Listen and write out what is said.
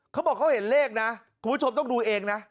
เขาบอกเขาเห็นเลขนะคุณผู้ชมต้องดูเองนะ